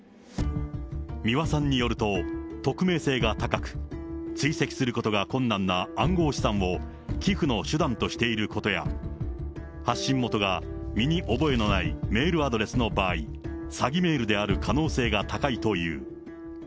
三輪さんによると、匿名性が高く、追跡することが困難な暗号資産を寄付の手段としていることや、発信元が身に覚えのないメールアドレスの場合、詐欺メールである可能性が高いという。